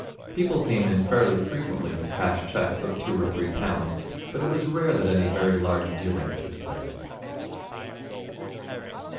People came in fairly frequently to cash cheques of two or three pounds, but it was rare that any very large dealings took place.